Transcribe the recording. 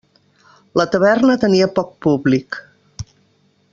La taverna tenia poc públic.